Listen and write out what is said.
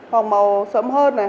hoặc màu sẫm hơn này